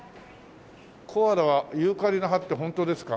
コアラはユーカリの葉ってホントですか？